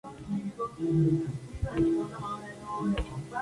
Muestran dos coloraciones predominantes según el estatus del individuo.